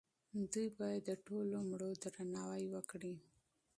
دوی باید د ټولو مړو درناوی وکړي.